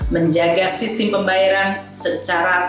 menjaga sistem pembayaran secara